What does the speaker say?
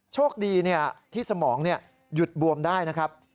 โชคดีที่สมองหยุดบวมได้นะครับ